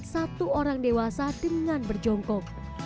satu orang dewasa dengan berjongkok